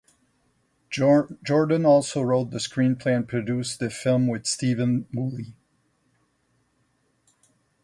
Jordan also wrote the screenplay and produced the film with Stephen Woolley.